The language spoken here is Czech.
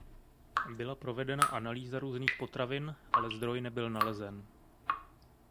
Byla provedena analýza různých potravin, ale zdroj nebyl nalezen.